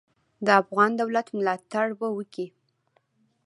د افغان دولت ملاتړ به وکي.